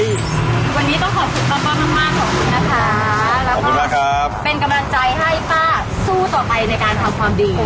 วันนี้ต้องขอบคุณป้ามากขอบคุณนะคะแล้วก็เป็นกำลังใจให้ป้าสู้ต่อไปในการทำความดี